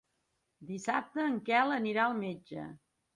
Dissabte en Quel anirà al metge.